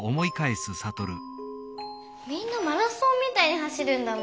みんなマラソンみたいに走るんだもん。